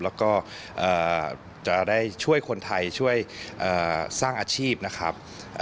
แล้วก็จะได้ช่วยคนไทยช่วยสร้างอาชีพนะครับ